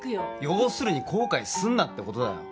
要するに後悔すんなってことだよ。